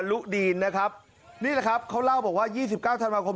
ลุดีนนะครับนี่แหละครับเขาเล่าบอกว่า๒๙ธันวาคม